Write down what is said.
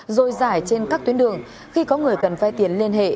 rồi giải trên các tuyến đường khi có người cần vay tiền liên hệ